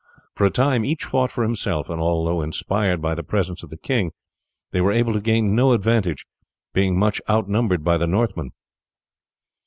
For a time each fought for himself; and although inspired by the presence of the king they were able to gain no advantage, being much out numbered by the Northmen.